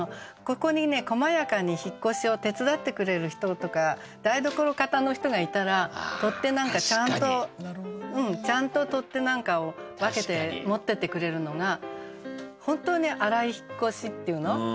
ここにこまやかに引っ越しを手伝ってくれる人とか台所方の人がいたら取っ手なんかちゃんとちゃんと取っ手なんかを分けて持ってってくれるのが本当に粗い引っ越しっていうの？